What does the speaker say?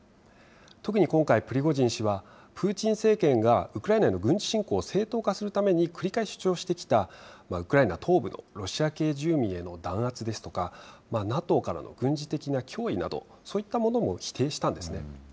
特に今回、プリゴジン氏は、プーチン政権がウクライナへの軍事侵攻を正当化するために繰り返し主張してきた、ウクライナ東部のロシア系住民への弾圧ですとか、ＮＡＴＯからの軍事的な脅威など、そういったものもしたんですね。